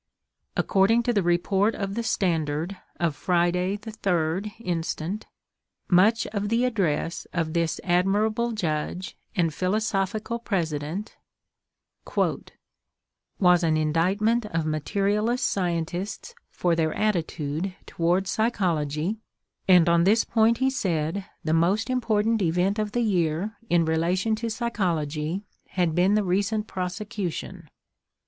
According to the report of the Standard of Friday the 3rd inst., much of the address of this admirable judge and philosophical president "was an indictment of materialist scientists for their attitude towards psycho logy, and on this point he said the most important event of the year in relation to psychology had been the recent prosecution.